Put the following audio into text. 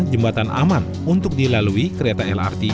jembatan bentang lrt